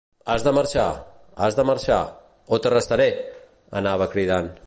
Has de marxar, has de marxar, o t’arrestaré!, anava cridant.